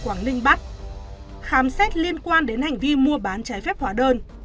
trương văn nam đã bị bắt khám xét liên quan đến hành vi mua bán trái phép hóa đơn